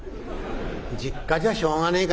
実家じゃしょうがねえか」。